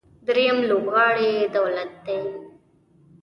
درېیم لوبغاړی دولت دی.